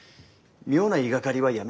妙な言いがかりはやめて下さい。